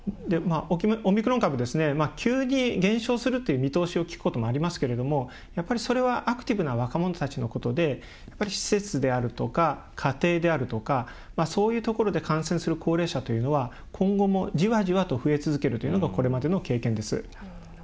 オミクロン株急に減少するという見通しを聞くことがありますがやっぱり、それはアクティブな若者たちのことで施設であるとか、家庭であるとかそういうところで感染する高齢者というのは今後も、じわじわと増え続けるというのがこれまでの経験です。